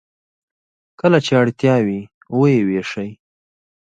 کله چې اړتیا وي و یې ویشي.